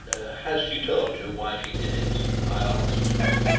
"Has she told you why she did it?" I asked.